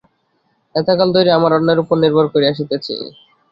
এতকাল ধরিয়া আমরা অন্যের উপর নির্ভর করিয়া আসিতেছি।